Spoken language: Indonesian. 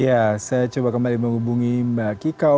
ya saya coba kembali menghubungi mbak kikau